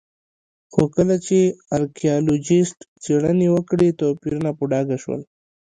خو کله چې ارکيالوجېسټ څېړنې وکړې توپیرونه په ډاګه شول